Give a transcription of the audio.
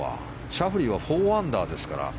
シャフリーは４アンダーですから。